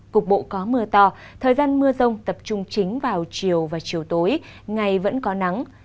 cục bộ có mưa to thời gian mưa rông tập trung chính vào chiều và chiều tối ngày vẫn có nắng